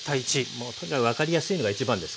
もうとにかく分かりやすいのが一番ですからね